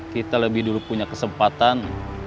kita lebih dulu punya kesempatan